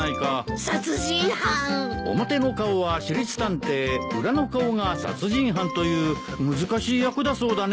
表の顔は私立探偵裏の顔が殺人犯という難しい役だそうだね。